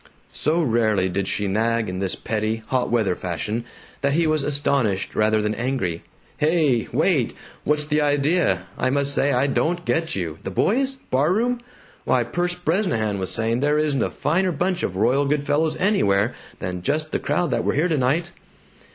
So rarely did she nag in this petty, hot weather fashion that he was astonished rather than angry. "Hey! Wait! What's the idea? I must say I don't get you. The boys Barroom? Why, Perce Bresnahan was saying there isn't a finer bunch of royal good fellows anywhere than just the crowd that were here tonight!"